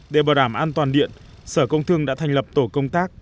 để bảo đảm an toàn điện sở công thương đã thành lập tổ công tác